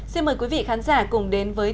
xin mời quý vị khán giả cùng đến với